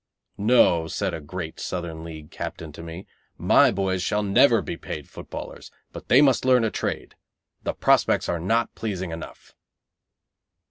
"No," said a great Southern League captain to me, "my boys shall never be paid footballers, but they must learn a trade. The prospects are not pleasing enough."